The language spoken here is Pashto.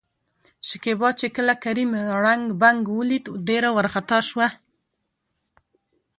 شکيبا چې کله کريم ړنګ، بنګ ولېد ډېره ورخطا شوه.